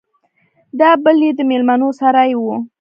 دا بل يې د ميلمنو سراى و.